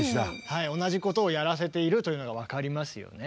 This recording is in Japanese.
はい同じことをやらせているというのが分かりますよね。